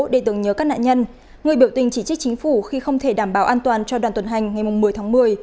để tưởng nhớ các nạn nhân người biểu tình chỉ trích chính phủ khi không thể đảm bảo an toàn cho đoàn tuần hành ngày một mươi tháng một mươi